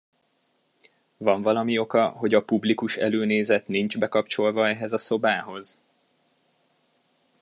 Van valami oka, hogy a publikus előnézet nincs bekapcsolva ehhez a szobához?